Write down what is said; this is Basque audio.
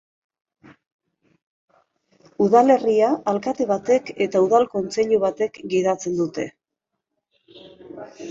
Udalerria alkate batek eta udal kontseilu batek gidatzen dute.